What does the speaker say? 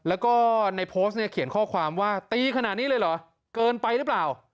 แล้วก็ในโพสต์เนี่ยเขียนข้อความว่าตีขนาดนี้เลยเหรอเกินไปหรือเปล่า